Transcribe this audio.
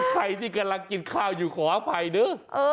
ใครที่กำลังกินข้าวอยู่ขออภัยนะ